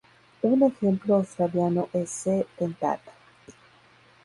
Un ejemplo australiano es "C. dentata".